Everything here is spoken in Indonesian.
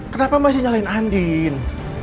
kenapa masih nyalahin andin